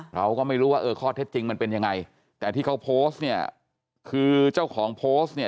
เราก็ไม่รู้ว่าเออข้อเท็จจริงมันเป็นยังไงแต่ที่เขาโพสต์เนี่ยคือเจ้าของโพสต์เนี่ย